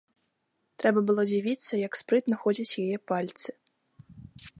Трэба было дзівіцца, як спрытна ходзяць яе пальцы.